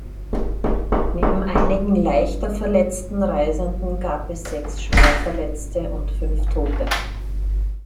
Neben einigen leichter verletzten Reisenden gab es sechs Schwerverletzte und fünf Tote.